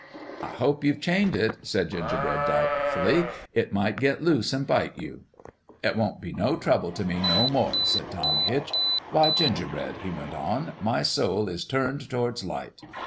" I hope you've chained it," said Gingerbread, doubtfully ;" it might get loose an' bite you." " It won't be no trouble t' me no more," said Tom Hitch. "Why, Gingerbread," he went on, " my soul is turned towards Light.